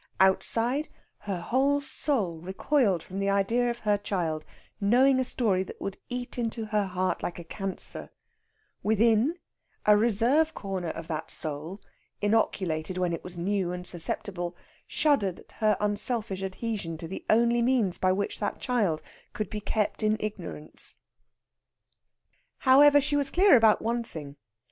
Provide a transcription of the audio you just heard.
Outside, her whole soul recoiled from the idea of her child knowing a story that would eat into her heart like a cancer; within, a reserve corner of that soul, inoculated when it was new and susceptible, shuddered at her unselfish adhesion to the only means by which that child could be kept in ignorance. However, she was clear about one thing.